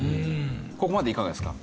ここまでいかがですか？